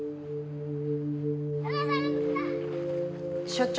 所長